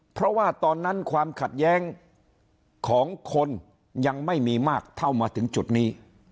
เพราะว่าตอนนั้นความขัดแย้งของคนยังไม่มีมากเท่ามาถึงจุดนี้